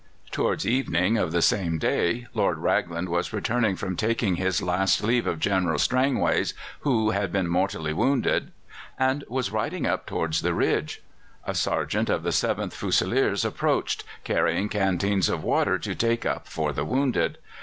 Towards evening of the same day Lord Raglan was returning from taking his last leave of General Strangways, who had been mortally wounded, and was riding up towards the ridge. A sergeant of the 7th Fusiliers approached, carrying canteens of water to take up for the wounded.